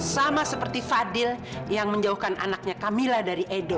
sama seperti fadil yang menjauhkan anaknya camilla dari edo